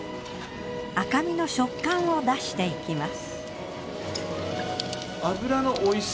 赤身の食感を出していきます。